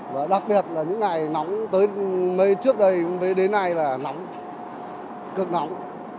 và đặc biệt là những ngày nóng tới trước đây đến nay là nóng cước nóng